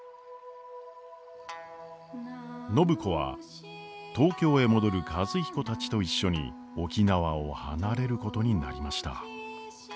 暢子は東京へ戻る和彦たちと一緒に沖縄を離れることになりました。